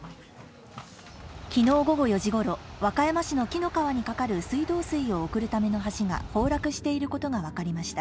昨日午後４時頃、和歌山市の紀の川にかかる水道水を送るための橋が崩落していることが分かりました。